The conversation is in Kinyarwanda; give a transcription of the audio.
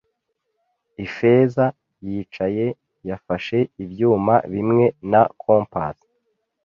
Ifeza, yicaye, yafashe ibyuma bimwe na kompas.